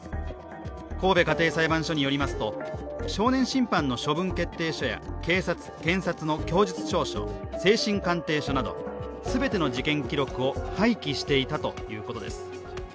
神戸家庭裁判所によりますと少年審判の処分決定書や警察・検察の供述調書精神鑑定書など、全ての事件記録を廃棄していたということです。